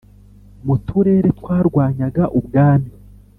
mu turere twarwanyaga u bwami